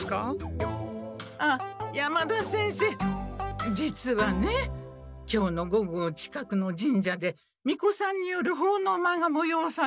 あっ山田先生実はね今日の午後近くの神社でみこさんによるほうのうまいがもよおされるんだけど。